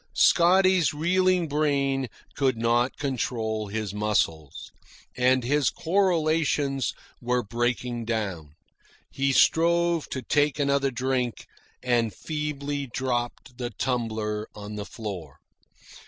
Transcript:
Scotty's reeling brain could not control his muscles. All his correlations were breaking down. He strove to take another drink, and feebly dropped the tumbler on the floor.